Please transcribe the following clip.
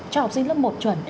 cho học sinh lớp một chuẩn